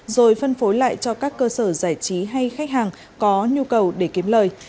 rồi phân phối lại cho các cơ sở giải trí hay khách hàng có nhu cầu để kiếm lời